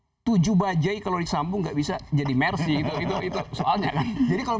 hai tujuh bajet kalauixambung go bisa jadi protesting orang itu soalnya jadi kalau